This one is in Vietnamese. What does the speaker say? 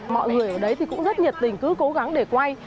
mọi người ở đấy thì cũng rất nhiệt tình cứ cố gắng để quay